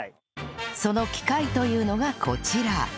その機械というのがこちら